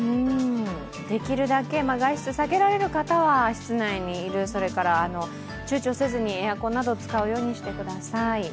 できるだけ外出避けられる方は室内にいるそれから、ちゅうちょせずにエアコンなど使うようにしてください。